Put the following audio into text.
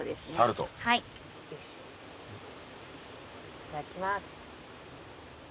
いただきます。